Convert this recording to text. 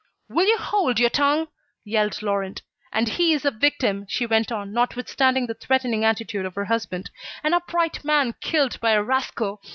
"Will you hold your tongue?" yelled Laurent. "And he is a victim," she went on, notwithstanding the threatening attitude of her husband, "an upright man killed by a rascal.